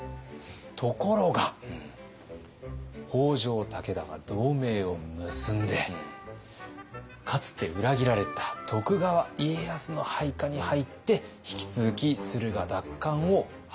ところが北条武田が同盟を結んでかつて裏切られた徳川家康の配下に入って引き続き駿河奪還を図る。